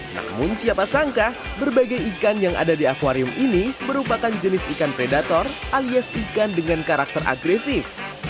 namun siapa sangka berbagai ikan yang ada di akwarium ini merupakan jenis ikan predator alias ikan dengan karakter agresif